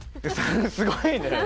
すごいね。